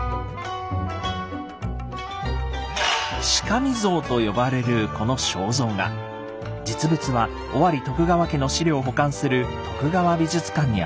「しかみ像」と呼ばれるこの肖像画実物は尾張徳川家の史料を保管する徳川美術館にあります。